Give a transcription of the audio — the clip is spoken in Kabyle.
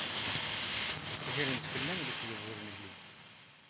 Gren-d fell-am lekdeb ur nelli.